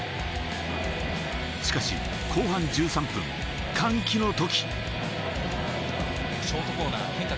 しかし後半１３分、歓喜の時。